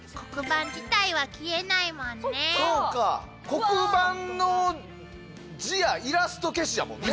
黒板の字やイラスト消しやもんね。